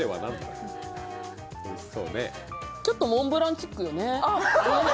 ちょっとモンブランチックよね。